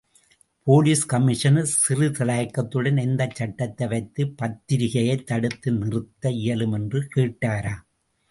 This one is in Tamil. போலீஸ் கமிஷனர் சிறிது தயக்கத்துடன் எந்தச்சட்டத்தை வைத்து பத்திரிகையைத் தடுத்து நிறுத்த இயலும் என்று கேட்டாராம்.